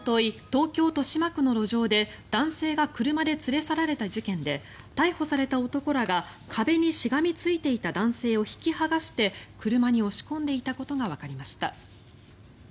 東京・豊島区の路上で男性が車で連れ去られた事件で逮捕された男らが壁にしがみついていた男性を引き剥がして車に押し込んでいたことがわかりました。